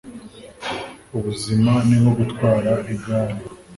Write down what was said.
Ubuzima ni nko gutwara igare.